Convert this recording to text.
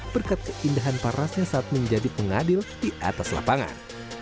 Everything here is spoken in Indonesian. berkat keindahan parasnya saat menjadi pengadil di atas lapangan